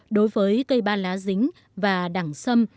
đối với cây ban lá dính và đẳng sâm